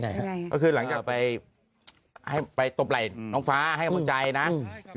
พลิกต๊อกเต็มเสนอหมดเลยพลิกต๊อกเต็มเสนอหมดเลย